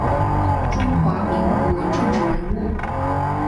中华民国政治人物。